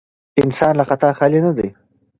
انسان له خطا خالي نه دی.